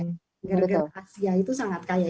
negara negara asia itu sangat kaya